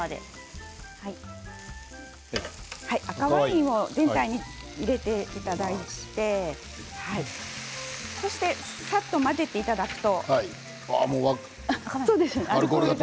赤ワインを入れていただいてそして、さっと混ぜていただくと。